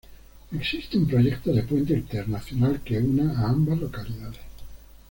Existe un proyecto de puente internacional, que una a ambas localidades.